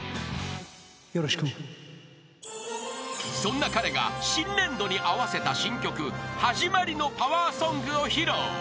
［そんな彼が新年度に合わせた新曲『はじまりのＰＯＷＥＲＳＯＮＧ』を披露］